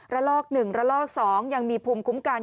ละลอกหนึ่งละลอกสองยังมีภูมิคุ้มกัน